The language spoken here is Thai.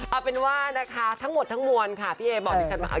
เอาเป็นว่านะคะทั้งหมดทั้งมวลค่ะพี่เอบอกดิฉันว่า